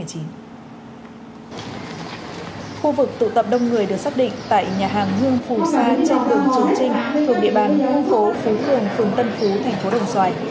khu vực tụ tập đông người được xác định tại nhà hàng hương phù sa trên đường chương trinh phường địa bàn nguyễn phố phố cường phường tân phú thành phố đồng xoài